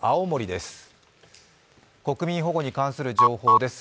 国民保護に関する情報です。